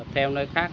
theo nơi khác